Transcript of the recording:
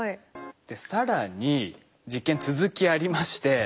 更に実験続きありまして。